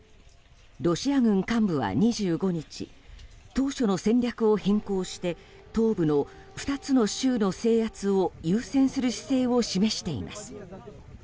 ロシア軍幹部は２５日当初の戦略を変更して東部の２つの州の制圧を優先する姿勢を示しています。